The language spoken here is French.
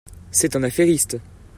C'est un affairiste.